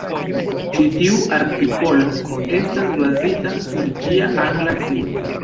Ĉi tiu artikolo estas bazita sur ĝia angla versio.